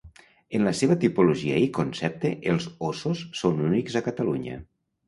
En la seva tipologia i concepte, els óssos són únics a Catalunya.